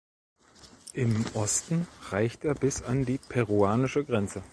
Im Osten reicht er bis an die peruanische Grenze.